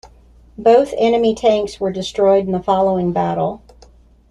Both enemy tanks were destroyed in the following battle.